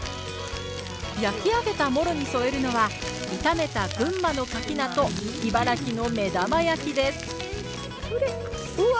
焼き上げたモロに添えるのは炒めた群馬のかき菜と茨城の目玉焼きですうわ！